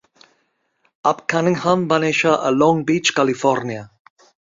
Abe Cunningham va néixer a Long Beach, Califòrnia.